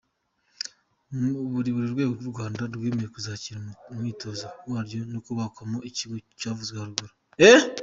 Muri uru rwego, u Rwanda rwemeye kuzakira umwitozo wabyo no kubakwamo ikigo cyavuzwe haruguru.